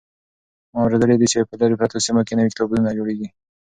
ما اورېدلي دي چې په لرې پرتو سیمو کې نوي کتابتونونه جوړېږي.